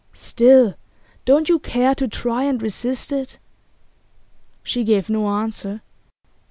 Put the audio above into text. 'Still, don't you care to try and resist it?' She gave no answer.